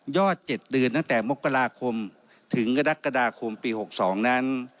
๗เดือนตั้งแต่มกราคมถึงกรกฎาคมปี๖๒นั้น